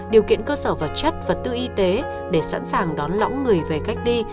điều kiện cơ sở vật chất và tư y tế để sẵn sàng đón lõng người về cách ly